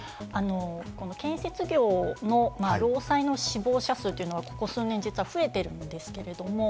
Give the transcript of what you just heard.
建設業、労災の死亡者数、ここ数年、実は増えているんですけれども。